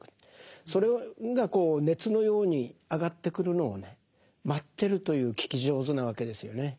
それが熱のように上がってくるのをね待ってるという聞き上手なわけですよね。